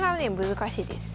難しいです。